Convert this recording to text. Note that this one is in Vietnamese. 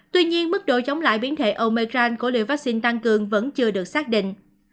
tuy nhiên mức độ chống lại biến thể omicron của liệu vaccine tăng cường vẫn chưa được xác định